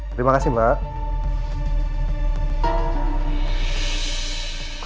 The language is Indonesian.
terima kasih mbak